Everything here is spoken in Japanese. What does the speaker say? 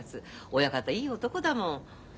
親方いい男だもん。